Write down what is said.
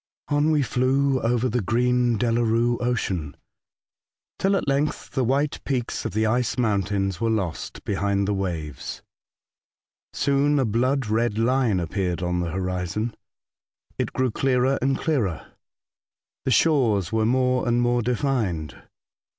ON we flew over tlie green Delarue Ocean, till at length tlie white peaks of the ice mountains were lost behind the waves. Soon a blood red line appeared on the horizon. It grew clearer and clearer. The shores were more and more defined.